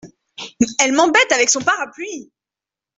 Elle m’embête avec son parapluie !